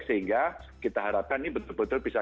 sehingga kita harapkan ini betul betul bisa